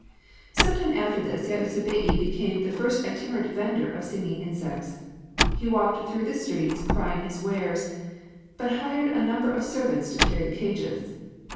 Some time after this Yasubei became the first itinerant vendor of singing insects. He walked through the streets crying his wares; but hired a number of servants to carry the cages.